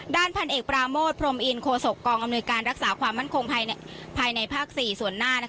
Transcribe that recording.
พันเอกปราโมทพรมอินโคศกกองอำนวยการรักษาความมั่นคงภายในภาค๔ส่วนหน้า